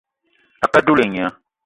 A ke á dula et nya